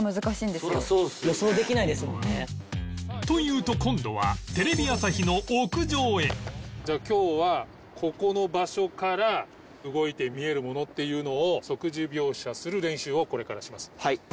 と言うと今度はじゃあ今日はここの場所から動いて見えるものっていうのを即時描写する練習をこれからします。